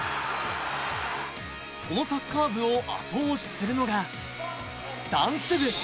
そのサッカー部を後押しするのが、ダンス部。